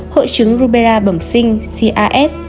hội chứng rubella bẩm sinh cas